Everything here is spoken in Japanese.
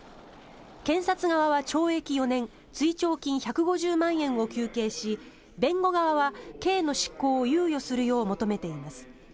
検察側は懲役４年追徴金１５０万円を求刑し弁護側は刑の執行を猶予するよう求めています。